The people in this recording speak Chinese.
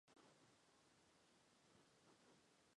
沙赖人口变化图示